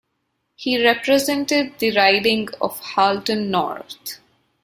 He represented the riding of Halton North.